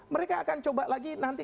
mereka akan coba lagi nanti